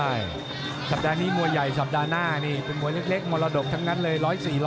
ใช่สัปดาห์นี้มวยใหญ่สัปดาห์หน้านี่เป็นมวยเล็กมรดกทั้งนั้นเลย๑๔๐๐